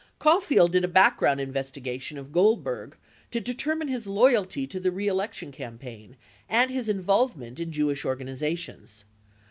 Caul field did a background investigation of Goldberg, to determine his loyalty to the reelection campaign and his involvement in Jewish organizations.